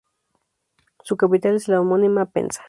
Su capital es la homónima Penza.